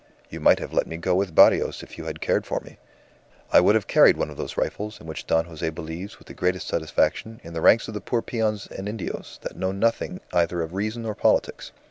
You might have let me go with Barrios if you had cared for me. I would have carried one of those rifles, in which Don Jose believes, with the greatest satisfaction, in the ranks of poor peons and Indios, that know nothing either of reason or politics.